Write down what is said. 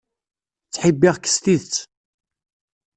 Ttḥibbiɣ-k s tidet.